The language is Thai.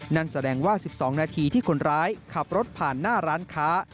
นั่นแสดงว่า๑๒นาทีที่คนร้ายขับรถผ่านหน้าร้านค้า